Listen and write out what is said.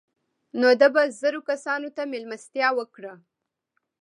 نو ده به زرو کسانو ته مېلمستیا وکړه.